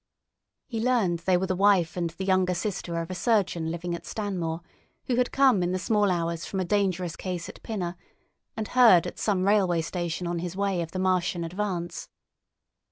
He learned they were the wife and the younger sister of a surgeon living at Stanmore, who had come in the small hours from a dangerous case at Pinner, and heard at some railway station on his way of the Martian advance.